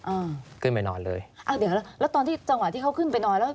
อ่าขึ้นไปนอนเลยอ้าวเดี๋ยวแล้วแล้วตอนที่จังหวะที่เขาขึ้นไปนอนแล้ว